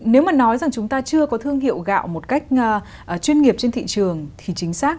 nếu mà nói rằng chúng ta chưa có thương hiệu gạo một cách chuyên nghiệp trên thị trường thì chính xác